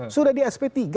sudah di sp tiga